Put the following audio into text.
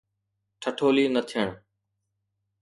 ٺٺولي نه ٿيڻ.